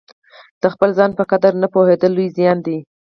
د خپل ځان په قدر نه پوهېدل لوی زیان دی.